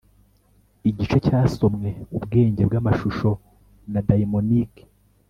Igice cyasomwe ubwenge bwamashusho ya daemonic